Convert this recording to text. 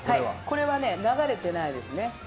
これは流れてないですね。